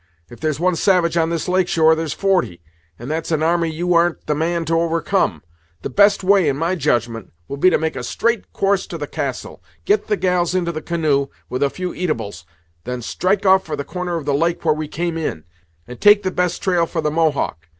If there's one savage on this lake shore, there's forty, and that's an army you ar'n't the man to overcome. The best way, in my judgment, will be to make a straight course to the castle; get the gals into the canoe, with a few eatables; then strike off for the corner of the lake where we came in, and take the best trail for the Mohawk.